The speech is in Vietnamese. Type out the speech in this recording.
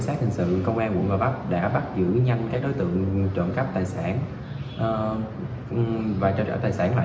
sát hành sự công an quận gò vóc đã bắt giữ nhanh các đối tượng trộm cắp tài sản và trả tài sản lại